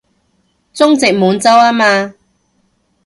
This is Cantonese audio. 中殖滿洲吖嘛